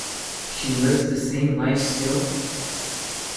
She lives the same life still?